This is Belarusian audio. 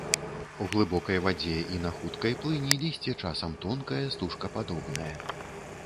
У глыбокай вадзе і на хуткай плыні лісце часам тонкае, стужкападобнае.